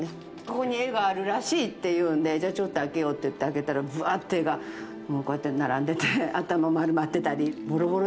ここに絵があるらしいっていうんでじゃあちょっと開けようっていって開けたらブワッて絵がこうやって並んでて頭丸まってたりぼろぼろだったりしたんでね。